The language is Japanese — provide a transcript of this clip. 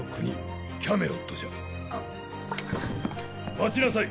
待ちなさい！